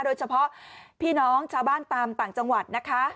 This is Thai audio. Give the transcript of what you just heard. โดยเฉพาะพี่น้องชาวบ้านตามต่างจังหวัดนะคะ